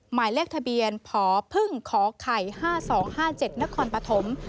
หมายเลขทะเบียนพพไข่๕๒๕๗นครปฐม